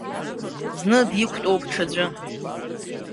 Зны диқәтәоуп ҽаӡәы.